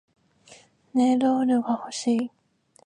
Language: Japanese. ネイルオイル欲しい